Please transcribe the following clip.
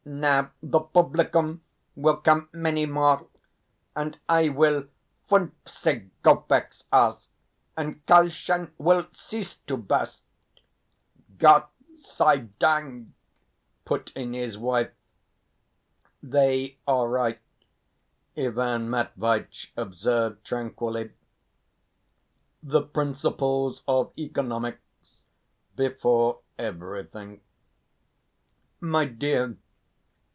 Now the publicum will come many more, and I will fünfzig kopecks ask and Karlchen will cease to burst." "Gott sei dank!" put in his wife. "They are right," Ivan Matveitch observed tranquilly; "the principles of economics before everything." "My dear!